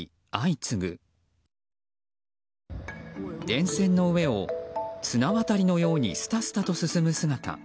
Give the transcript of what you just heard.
電線の上を、綱渡りのようにすたすたと進む姿。